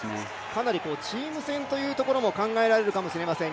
かなりチーム戦というところも考えられるかもしれません。